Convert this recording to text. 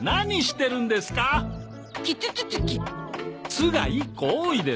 「ツ」が１個多いです。